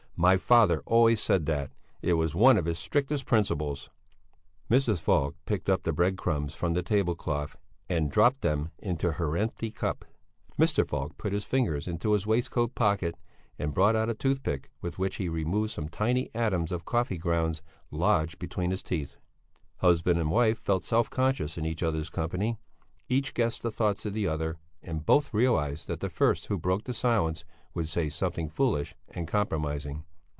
My father always said that; it was one of his strictest principles." Mrs. Falk picked up the bread crumbs from the tablecloth and dropped them into her empty cup. Mr. Falk put his fingers into his waistcoat pocket and brought out a tooth pick with which he removed some tiny atoms of coffee grounds lodged between his teeth. Husband and wife felt self conscious in each other's company. Each guessed the thoughts of the other, and both realized that the first who broke the silence would say something foolish and compromising.